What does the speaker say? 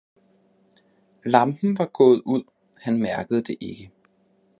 Lampen var gaaet ud, han mærkede det ikke